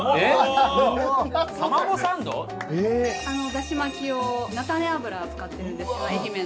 だし巻きを菜種油使ってるんですけど愛媛の。